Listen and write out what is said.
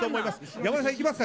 山根さん、いきますか。